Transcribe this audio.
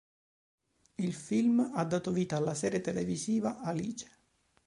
Il film ha dato vita alla serie televisiva "Alice".